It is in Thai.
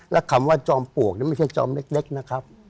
และคำว่าจอมปลวกนี่ไม่ใช่จอมเล็กนะครับ